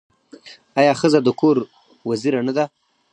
آیا ښځه د کور وزیره نه ده؟